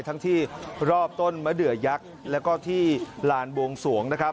ทั้งที่รอบต้นมะเดือยักษ์แล้วก็ที่ลานบวงสวงนะครับ